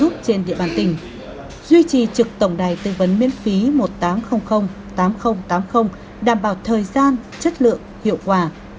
trên địa bàn tỉnh duy trì trực tổng đài tư vấn miễn phí một nghìn tám trăm linh tám nghìn tám mươi đảm bảo thời gian chất lượng hiệu quả